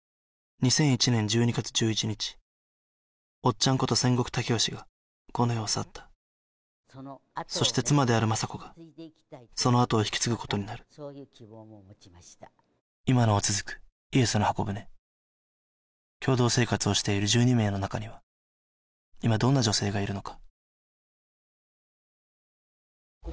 ちゃんこと千石剛賢がこの世を去ったそして妻であるまさ子がそのあとを引き継ぐことになる今なお続くイエスの方舟共同生活をしている１２名の中には今どんな女性がいるのか？